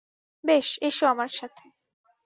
বেশ, এসো আমার সাথে।